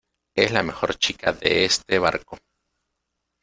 es la mejor chica de este barco,